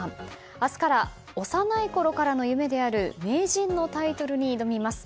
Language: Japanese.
明日から幼いころからの夢である名人のタイトルに挑みます。